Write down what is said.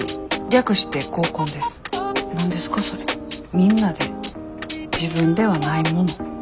みんなで自分ではないもの